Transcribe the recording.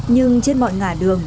nhưng trên mọi ngã đường